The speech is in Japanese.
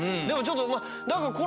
でもちょっと何か。